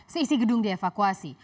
seisi gedung dievakuasi